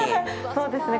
そうですね。